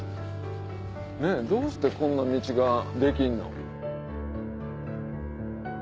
ねぇどうしてこんな道ができんの？